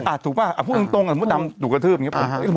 อ่ะถูกป่ะอ่ะพูดตรงอ่ะมัวดำถูกกระทืบอย่างเงี้ยผม